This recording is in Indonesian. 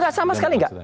gak sama sekali gak